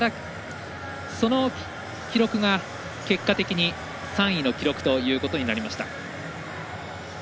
その記録が結果的に３位の記録ということになりました。